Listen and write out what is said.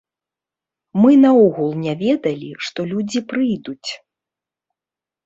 Мы наогул не ведалі, што людзі прыйдуць.